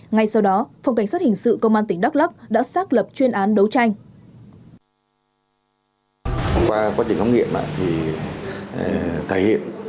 ngay sau đó phòng cảnh sát hình sự công an tỉnh đắk lắk đã xác lập chuyên án đấu tranh